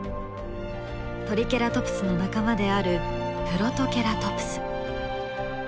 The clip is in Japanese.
トリケラトプスの仲間であるプロトケラトプス。